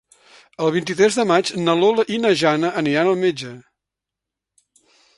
El vint-i-tres de maig na Lola i na Jana aniran al metge.